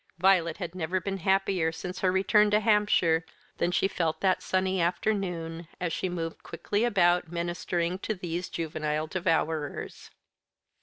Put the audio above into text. Violet had never been happier since her return to Hampshire than she felt that sunny afternoon, as she moved quickly about, ministering to these juvenile devourers.